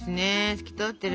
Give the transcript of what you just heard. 透き通ってる。